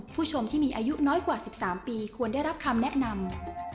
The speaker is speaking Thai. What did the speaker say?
ผู้ชมที่มีอายุน้อยกว่า๑๓ปีควรได้รับคำแนะนำ